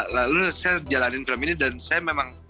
lalu saya jalanin film ini dan saya memang